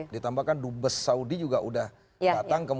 ditambah kan dubes saudi juga udah datang